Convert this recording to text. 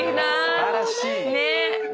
素晴らしい！